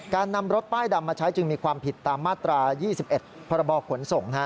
การนำรถป้ายดำมาใช้จึงมีความผิดตามมาตรา๒๑พรบขนส่ง